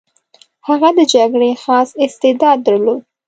هغه د جګړې خاص استعداد درلود.